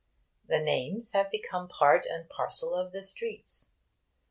The names have become part and parcel of the streets.